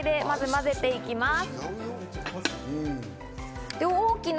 混ぜていきます。